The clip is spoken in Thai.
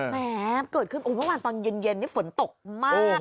แหมเกิดขึ้นโอ้เมื่อวานตอนเย็นฝนตกมาก